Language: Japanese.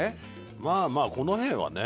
まあまあこの辺はね。